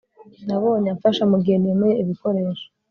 Nabonye amfasha mugihe nimuye ibikoresho